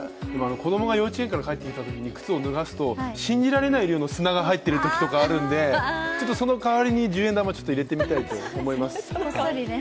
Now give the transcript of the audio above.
子供が幼稚園から帰ってきたときに靴を脱がすと信じられない量の砂が入ってるときとかあるのでちょっとその代わりに十円玉、入れてみたいと思います。